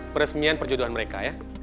peresmian perjuduan mereka